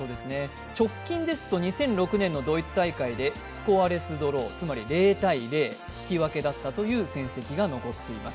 直近ですとドイツ大会でスコアレスドローつまり０−０、引き分けだったという戦績が残っています。